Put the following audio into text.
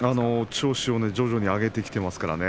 調子を徐々に上げてきていますからね